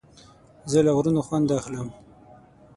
زه له غرونو خوند اخلم.